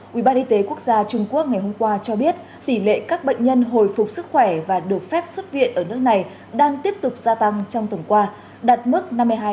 quỹ ban y tế quốc gia trung quốc ngày hôm qua cho biết tỷ lệ các bệnh nhân hồi phục sức khỏe và được phép xuất viện ở nước này đang tiếp tục gia tăng trong tuần qua đạt mức năm mươi hai